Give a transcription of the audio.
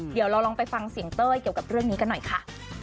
เดี๋ยวเราลองไปฟังเสียงเต้ยเกี่ยวกับเรื่องนี้กันหน่อยค่ะ